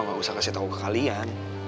nggak usah kasih tahu ke kalian